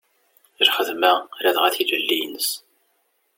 Lxedma ladɣa tilelli-ines.